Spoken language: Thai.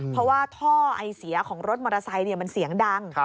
เพราะว่าท่อไอเสียของรถมอเตอร์ไซค์มันเสียงดัง